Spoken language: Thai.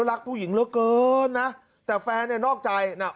รักผู้หญิงเหลือเกินนะแต่แฟนเนี่ยนอกใจน่ะ